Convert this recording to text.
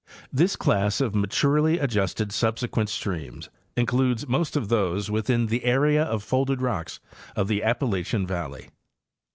This class of maturely adjusted subsequent streams includes most of those within the area of folded rocks of the Appalachian valley..